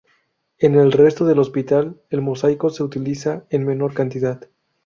En el resto del hospital el mosaico se utiliza en menor cantidad.